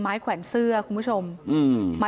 ไม้ขวานเสื้อคุณผู้ชม